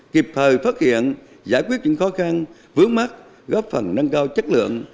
kịp thời phát hiện giải quyết những khó khăn vướng mắt góp phần nâng cao chất lượng